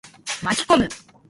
巻き込む。